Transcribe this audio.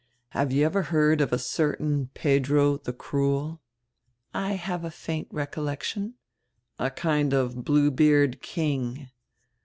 Have you ever heard of a certain Pedro the Cruel?" "I have a faint recollection." "A kind of Bluebeard king."